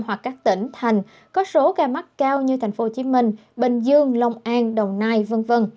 hoặc các tỉnh thành có số ca mắc cao như tp hcm bình dương long an đồng nai v v